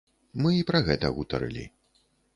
Мы і пра гэта гутарылі.